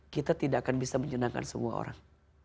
kita tidak akan bisa menyenangkan semua orang